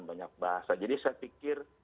banyak bahasa jadi saya pikir